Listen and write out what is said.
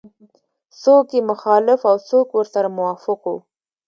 څوک یې مخالف او څوک ورسره موافق وو.